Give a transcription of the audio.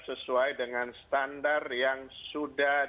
sesuai dengan standar yang sudah